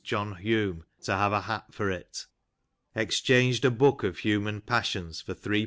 John Hulme, to have a hat for it." " Exchanged a book of Human Passions for 3lbs.